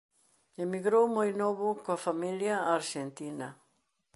Emigrou moi novo coa familia a Arxentina.